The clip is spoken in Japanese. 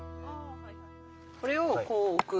これをこう置く。